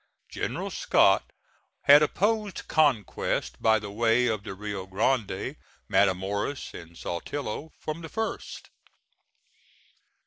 General Scott had opposed conquest by the way of the Rio Grande, Matamoras and Saltillo from the first.